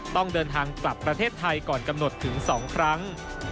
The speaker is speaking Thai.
ต้องเดินทางกลับประเทศไทยก่อนกำหนดถึง๒ครั้ง